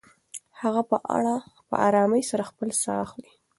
هغه په ارامۍ سره خپله ساه اخلې.